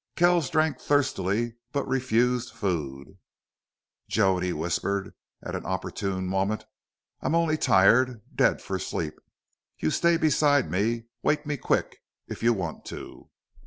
Kells drank thirstily, but refused food. "Joan," he whispered, at an opportune moment, "I'm only tired dead for sleep. You stay beside me. Wake me quick if you want to!"